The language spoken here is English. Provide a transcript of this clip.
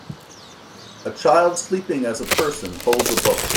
A child sleeping as a person holds a book.